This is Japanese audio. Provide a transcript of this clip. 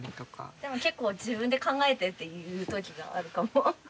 でも結構「自分で考えて」って言うときがあるかも。